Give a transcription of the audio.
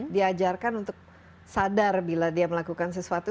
diajarkan untuk sadar bila dia melakukan sesuatu